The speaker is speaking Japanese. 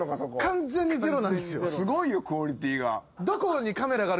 すごいよクオリティーが。